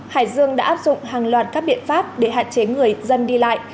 hải dương đã áp dụng hàng loạt các biện pháp để hạn chế người dân đi lại